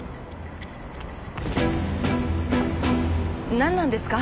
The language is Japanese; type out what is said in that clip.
なんなんですか？